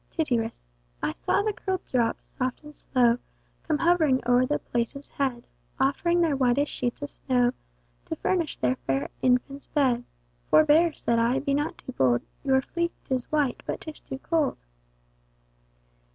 Tityrus. I saw the curl'd drops, soft and slow Come hovering o'er the place's head, Offring their whitest sheets of snow, To furnish the fair infant's bed. Forbear (said I) be not too bold, Your fleect is white, but 'tis too cold.